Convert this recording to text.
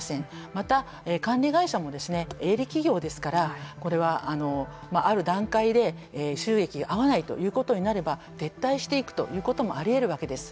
また、管理会社も営利企業ですからこれはある段階で収益が合わないということになれば撤退していくということもあり得るわけです。